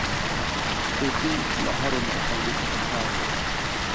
چوکۍ له هر عمر خلکو ته پکار ده.